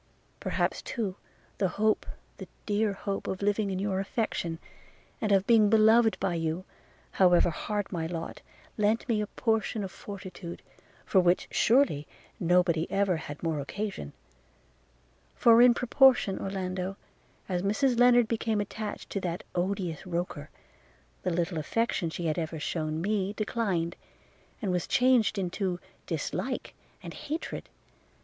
– Perhaps too, the hope, the dear hope of living in your affection, and of being beloved by you, however hard my lot, lent me a portion of fortitude, for which, surely, nobody ever had more occasion: for in proportion, Orlando, as Mrs Lennard became attached to that odious Roker, the little affection she had ever shewn me declined, and was changed into dislike and hatred.